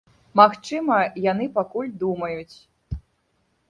Магчыма, яны пакуль думаюць.